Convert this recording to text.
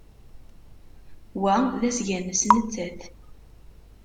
Wa d asga-nnes nettat.